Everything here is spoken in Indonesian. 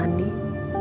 dia bisa ditemani